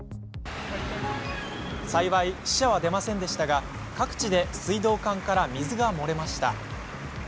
幸い死者は出ませんでしたが各地で水道管から水が漏れました。